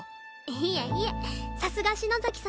いえいえさすが篠崎さんだなって。